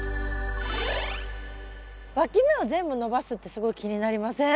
わき芽を全部伸ばすってすごい気になりません？